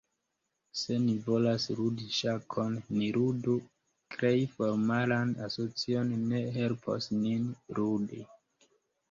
Se ni volas ludi ŝakon, ni ludu, krei formalan asocion ne helpos nin ludi.